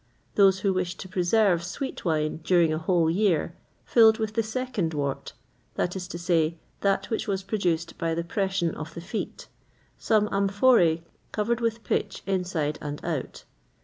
[XXVIII 65] Those who wished to preserve sweet wine during a whole year, filled with the second wort that is to say, that which was produced by the pression of the feet some amphoræ covered with pitch inside and out.